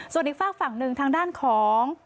ส่วนอีกฝากฝั่งหนึ่งทางด้านของ